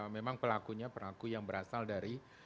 memang pelakunya pelaku yang berasal dari